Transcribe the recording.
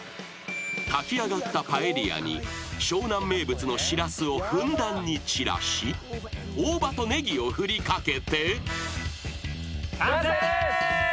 ［炊き上がったパエリアに湘南名物のしらすをふんだんに散らし大葉とネギを振り掛けて］